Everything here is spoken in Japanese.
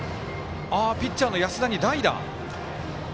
ピッチャーの安田に代打。